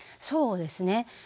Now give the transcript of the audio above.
そうですね。